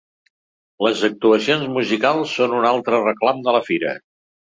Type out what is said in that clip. Les actuacions musicals són un altre reclam de la fira.